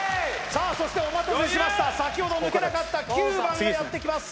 さあそしてお待たせしました先ほど抜けなかった９番がやってきます